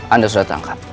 anda sudah terangkap